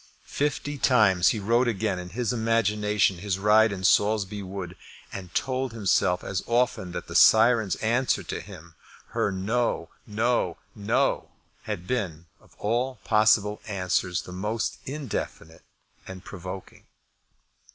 Fifty times he rode again in his imagination his ride in Saulsby Wood, and he told himself as often that the syren's answer to him, her no, no, no, had been, of all possible answers, the most indefinite and provoking.